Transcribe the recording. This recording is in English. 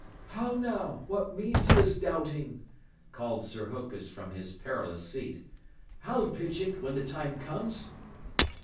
"How now, what means this doubting?" called Sir Hokus from his perilous seat. "I'll pitch it when the time comes."